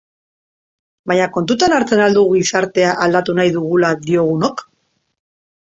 Baina kontuan hartzen al dugu gizartea aldatu nahi dugula diogunok?